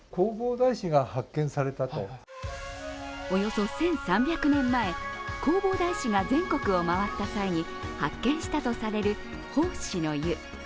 およそ１３００年前、弘法大師が全国を回った際に発見したとされる、法師の湯。